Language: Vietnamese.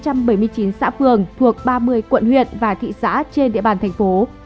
tại năm trăm bảy mươi chín xã phường thuộc ba mươi quận huyện và thị xã trên địa bàn thành phố